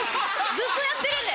ずっとやってるんで！